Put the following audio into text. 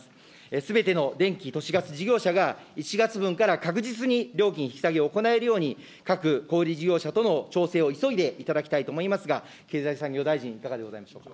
すべての電気・都市ガス事業者が、１月分から確実に料金引き下げを行えるように、各小売り事業者との調整を急いでいただきたいと思いますが、経済産業大臣、いかがでございましょうか。